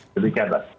jadi sekian pak